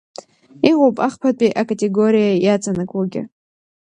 Иҟоуп ахԥатәи акатегориа иаҵанакуагьы.